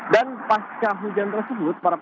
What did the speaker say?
dan pasca hujan tersebut